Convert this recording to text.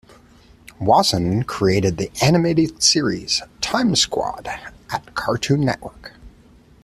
Wasson created the animated series "Time Squad" at Cartoon Network.